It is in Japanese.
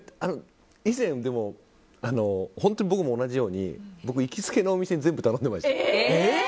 以前、本当に僕も同じように行きつけのお店に全部頼んでました。